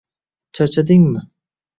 Charchadingmi?